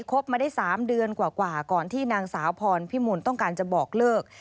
บมาได้๓เดือนกว่าก่อนที่นางสาวพรพิมลต้องการจะบอกเลิก